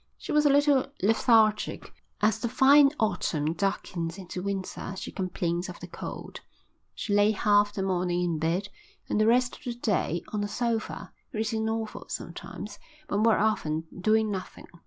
She was a little lethargic. As the fine autumn darkened into winter she complained of the cold. She lay half the morning in bed and the rest of the day on a sofa, reading novels sometimes, but more often doing nothing.